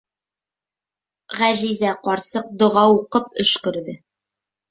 Ғәжизә ҡарсыҡ доға уҡып өшкөрҙө.